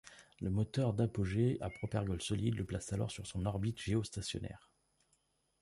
Le moteur d'apogée à propergol solide le place alors sur son orbite géostationnaire.